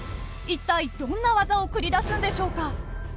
一体どんな技を繰り出すんでしょうか。